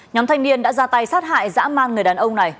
nhóm thanh niên đã ra tay sát hại dã man người đàn ông này